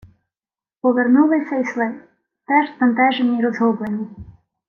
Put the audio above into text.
Повернулися й сли, теж збентежені й розгублені: